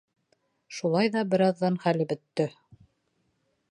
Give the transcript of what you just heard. Шулай ҙа бер аҙҙан хәле бөттө.